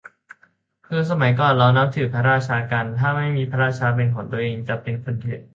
คือสมัยก่อนเรานับถือพระราชากัน ถ้าไม่มีพระราชาเป็นของตัวเอง จะเป็นคนเถื่อน